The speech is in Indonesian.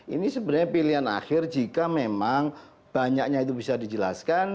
ini sebenarnya pilihan akhir jika memang banyaknya itu bisa dijelaskan